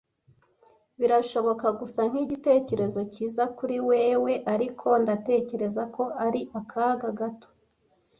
Birashobora gusa nkigitekerezo cyiza kuri wewe, ariko ndatekereza ko ari akaga gato.